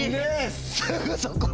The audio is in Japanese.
すぐそこ！